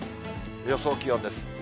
予想気温です。